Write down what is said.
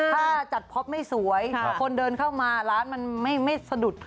ถ้าจัดท็อปไม่สวยพอคนเดินเข้ามาร้านมันไม่สะดุด